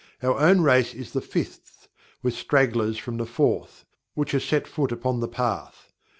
Our own race is the fifth (with stragglers from the fourth) which has set foot upon The Path.